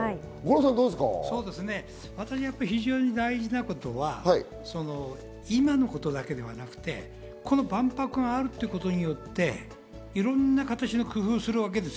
私、非常に大事なことは、今のことだけではなくて、この万博があることによっていろんな形の工夫をするわけです。